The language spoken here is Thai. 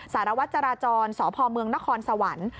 สารวัตรจราจรสพเมืองนครสวรรค์